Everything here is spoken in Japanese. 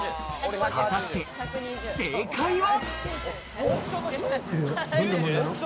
果たして、正解は？